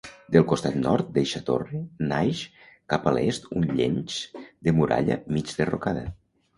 Del costat nord d'eixa torre, naix cap a l'est un llenç de muralla, mig derrocada.